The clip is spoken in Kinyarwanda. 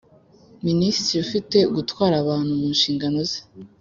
Minisitiri ufite gutwara abantu mu nshingano ze